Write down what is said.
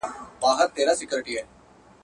رنګ په رنګ به یې راوړله دلیلونه.